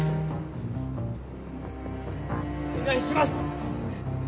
お願いします！